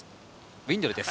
ウィンドルです。